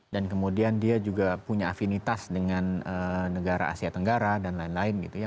dan kemudian dia juga punya afinitas dengan negara asia tenggara dan lain lain